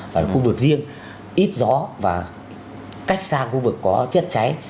phải là khu vực riêng ít gió và cách xa khu vực có chất cháy